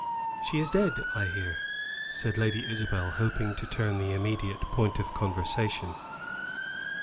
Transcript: "She is dead, I hear," said Lady Isabel hoping to turn the immediate point of conversation.